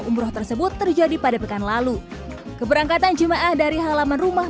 umroh tersebut terjadi pada pekan lalu keberangkatan jemaah dari halaman rumah